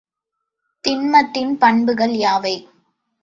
திண்மத்தின் பண்புகள் யாவை?